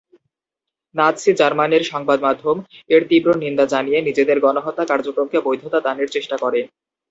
Nazi জার্মানির সংবাদমাধ্যম এর তীব্র নিন্দা জানিয়ে নিজেদের গণহত্যা কার্যক্রমকে বৈধতা দানের চেষ্টা করে।